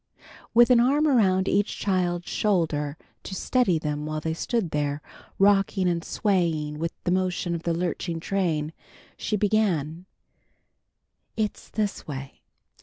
With an arm around each child's shoulder to steady them while they stood there, rocking and swaying with the motion of the lurching train, she began: "It's this way.